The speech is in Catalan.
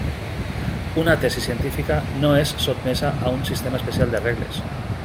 Una tesi científica no és sotmesa a un sistema especial de regles.